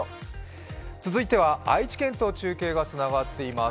続いては愛知県と中継がつながっています。